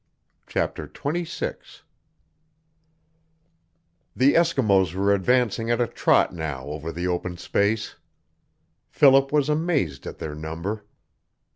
CHAPTER XXVI The Eskimos were advancing at a trot now over the open space. Philip was amazed at their number.